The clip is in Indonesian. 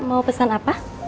mau pesan apa